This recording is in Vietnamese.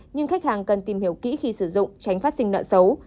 nhưng khách hàng cần tìm hiểu kỹ khi sử dụng tránh phát sinh nợ xấu